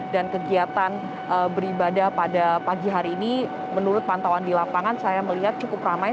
dan kegiatan beribadah pada pagi hari ini menurut pantauan di lapangan saya melihat cukup ramai